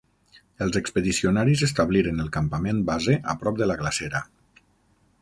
Els expedicionaris establiren el campament base a prop de la glacera.